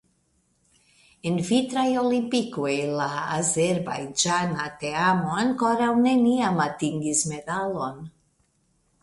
En Vintraj Olimpikoj la azerbajĝana teamo ankoraŭ neniam atingis medalon.